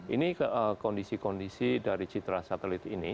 ini kondisi kondisi dari citra satelit ini